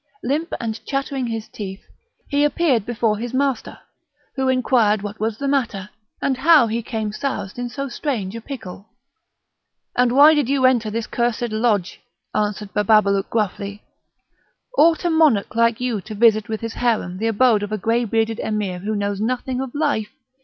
Limping and chattering his teeth, he appeared before his master, who inquired what was the matter, and how he came soused in so strange a pickle. "And why did you enter this cursed lodge?" answered Bababalouk, gruffly. "Ought a monarch like you to visit with his harem the abode of a grey bearded Emir, who knows nothing of life?